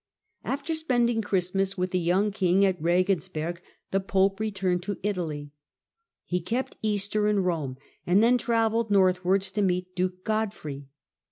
After spending Christmas with the young king at Regensberg the pope returned to Italy. He kept Easter in Rome, and then travelled northwards to meet duke Godfrey.